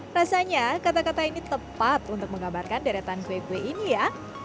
rasanya kata kata ini tepat untuk menggambarkan deretan kue kue ini ya